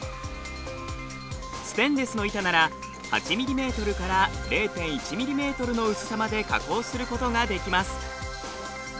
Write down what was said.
ステンレスの板なら８ｍｍから０．１ｍｍの薄さまで加工することができます。